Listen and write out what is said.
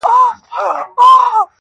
اشنـا په دې چــلو دي وپوهـېدم.